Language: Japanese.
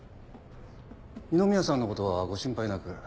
二宮さんのことはご心配なく。